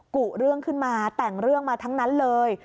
กุเรื่องขึ้นมาแต่งเรื่องมาทั้งนั้นเลย